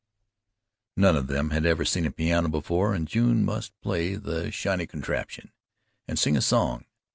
None of them had ever seen a piano before and June must play the "shiny contraption" and sing a song.